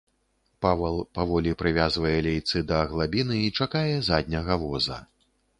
Павал паволі прывязвае лейцы да аглабіны і чакае задняга воза.